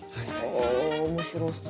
あ面白そう。